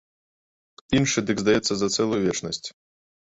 Іншы дык здаецца за цэлую вечнасць.